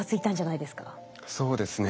そうですね。